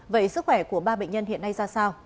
vậy sức khỏe của ba bệnh nhân hiện nay ra sao